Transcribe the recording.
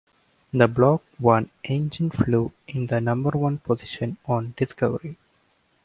The Block I engine flew in the number one position on Discovery.